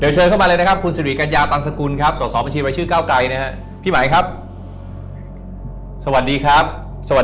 สวัสดีครับสวัสดีครับสวัสดีครับสวัสดีค่ะครับรอนานไหมขออภัย